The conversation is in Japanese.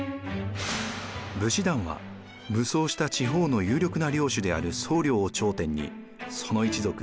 武士団は武装した地方の有力な領主である惣領を頂点にその一族